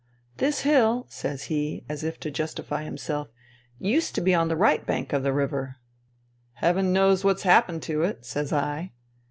" This hill," says he, as if to justify himself, " used to be on the right bank of the river." " Heaven knows what's happened to it," say I.